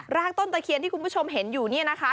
ต้นตะเคียนที่คุณผู้ชมเห็นอยู่เนี่ยนะคะ